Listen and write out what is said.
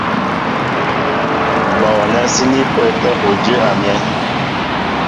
Bɔɔnɛ́ síní pə́ə́tɛ́ udʉ́ a myɛ́.